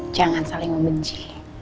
jangan saling membenci